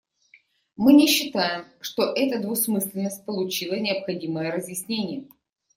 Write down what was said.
Мы не считаем, что эта двусмысленность получила необходимое разъяснение.